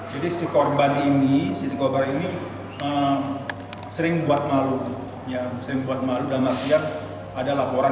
jadi si korban ini si tiga bar ini sering buat malu yang sering buat malu dan maksiat ada laporan